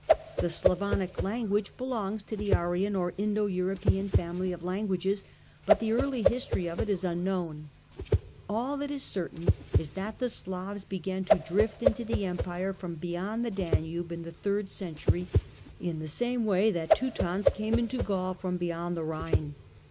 The Slavonic language )elongs to the Aryan or Indo European family of anguages, but the early history of it is unknown. All .hat is certain is that Slavs began to drift into the Empire from beyond the Danube in the third century n the same way that Teutons came into Gaul from )eyond the Khine.